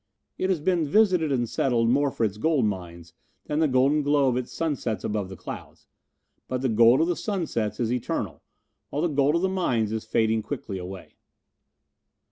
It has been visited and settled more for its gold mines than the golden glow of its sunsets above the clouds, but the gold of the sunsets is eternal, while the gold of the mines is fading quickly away.